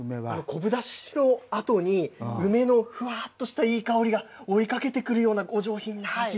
昆布だしのあとに梅のふわっとしたいい香りが追いかけてくるようなお上品な味。